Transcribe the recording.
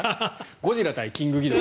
ゴジラ対キングギドラ。